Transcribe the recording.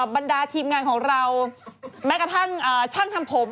บรรดาทีมงานของเราแม้กระทั่งช่างทำผม